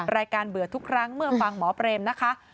เบื่อทุกครั้งเมื่อฟังหมอเปรมนะคะ